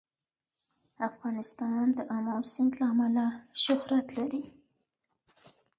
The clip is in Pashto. افغانستان د آمو سیند له امله شهرت لري.